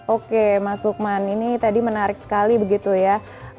oke mas lukman ini tadi menarik sekali begitu ya